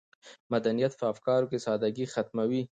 مدنیت په افکارو کې سادګي ختموي.